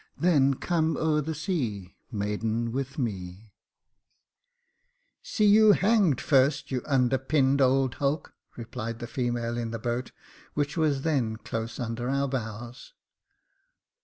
Then come o'er the sea. Maiden, with me," See you hanged first, you underpinned old hulk !" replied the female in the boat, which was then close under our bows.